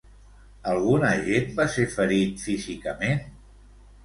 Algun agent va ser ferit físicament?